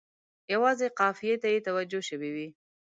یوازې قافیې ته یې توجه شوې وي.